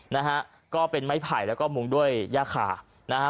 นะฮะก็เป็นไม้ไผ่แล้วก็มุงด้วยย่าขานะฮะ